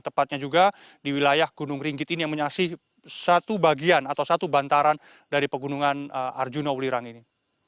tepatnya juga di wilayah gunung ringgit ini yang menyaksikan satu bagian atau satu bantaran dari pegunungan arjuna ulirang ini